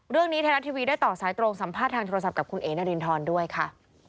เรื่องนี้ไทยรัฐทีวีได้ต่อสายตรงสัมภาษณ์ทางโทรศัพท์กับคุณเอ๋นารินทรด้วยค่ะ